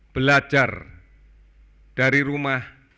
belajar dari rumah